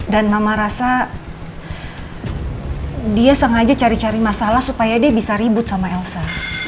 dan mama rasa dia sengaja cari cari masalah supaya dia bisa ribut sama elsa